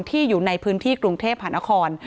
อยู่ในพื้นที่กรุงเทพหานคร